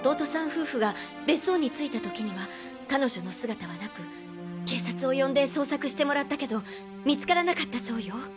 夫婦が別荘に着いた時には彼女の姿はなく警察を呼んで捜索してもらったけど見つからなかったそうよ。